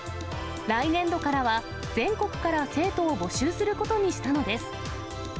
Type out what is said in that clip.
来年度からは、全国から生徒を募集することにしたのです。